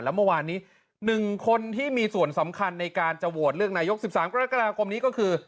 แล้วเมื่อวานนี้๑คนที่มีส่วนสำคัญในการจะโหวตเลือกนายก๑๓กรกฎาคมนี้ก็คือ